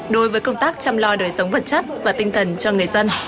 đối với công tác chăm lo đời sống vật chất và tinh thần cho người dân